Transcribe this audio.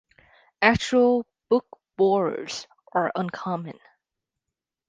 Actual book-borers are uncommon.